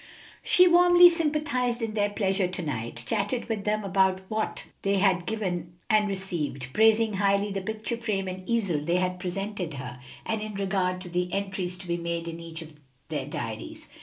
She warmly sympathized in their pleasure to night, chatted with them about what they had given and received, praising highly the picture frame and easel they had presented her and in regard to the entries to be made in each of their diaries.